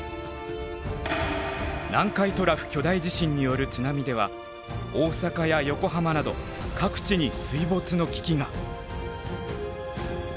南海トラフ巨大地震による津波では大阪や横浜など各地に水没の危機が。